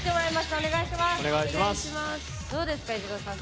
お願いします。